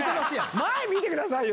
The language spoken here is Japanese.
前見てくださいよ。